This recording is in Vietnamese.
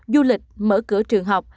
du lịch mở cửa trường học